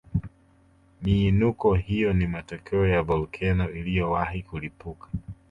Miinuko hiyo ni matokeo ya volkeno iliyowahi kulipuka